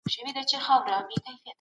دا پخواني نظریات رد سوي وو.